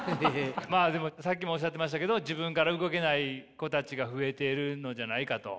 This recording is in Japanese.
まあでもさっきもおっしゃってましたけど自分から動けない子たちが増えているのじゃないかと。